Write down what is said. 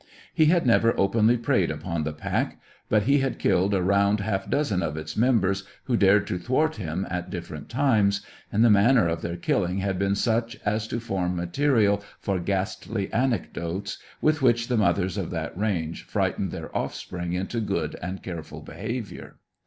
He had never openly preyed upon the pack, but he had killed a round half dozen of its members who dared to thwart him at different times, and the manner of their killing had been such as to form material for ghastly anecdotes with which the mothers of that range frightened their offspring into good and careful behaviour.